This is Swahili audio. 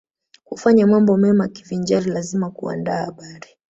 Kufanya mambo mema kivinjari lazima kuandaa habari